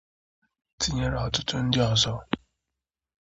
tinyere ọtụtụ ndị ọzọ